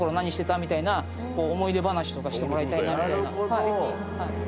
みたいな思い出話とかしてもらいたいなみたいななるほど！